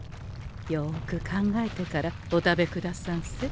よく考えてからお食べくださんせ。